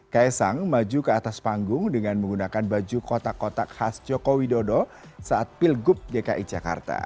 kaisang maju ke atas panggung dengan menggunakan baju kotak kotak khas joko widodo saat pilgub dki jakarta